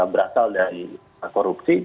berasal dari korupsi